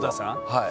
はい。